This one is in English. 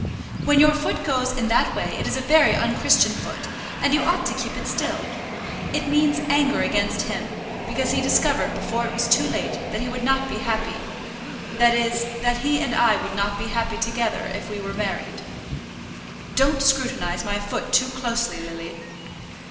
"When your foot goes in that way it is a very unchristian foot, and you ought to keep it still. It means anger against him, because he discovered before it was too late that he would not be happy, that is, that he and I would not be happy together if we were married." "Don't scrutinize my foot too closely, Lily."